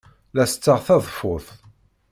La setteɣ taḍeffut.